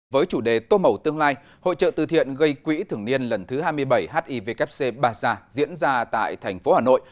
với chủ đề tốt màu tương lai hội trợ từ thiện gây quỹ thường niên lần thứ hai mươi bảy hivkc baza diễn ra tại thành phố hà nội